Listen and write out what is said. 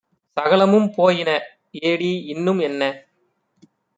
சகலமும் போயினஏடி இன்னும்என்ன!